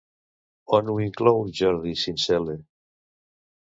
On ho inclou Jordi Sincel·le?